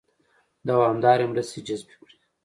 دوامدارې مرستې جذبې کړي.